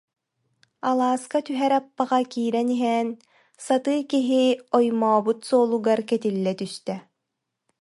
Алааска түһэр аппаҕа киирэн иһэн сатыы киһи оймообут суолугар кэтиллэ түстэ